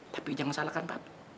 tapi jangan salahkan papi